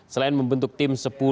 selain membentuk tim sepuluh